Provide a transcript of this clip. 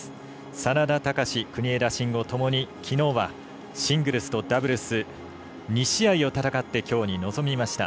眞田卓、国枝慎吾ともにきのうはシングルスとダブルス２試合を戦ってきょうに臨みました。